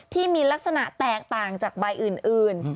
ที่มีลักษณะแตกต่างจากใบอื่น